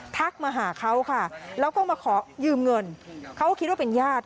ทักมาหาเขาค่ะแล้วก็มาขอยืมเงินเขาคิดว่าเป็นญาติ